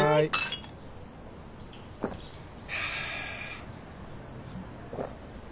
ハァ。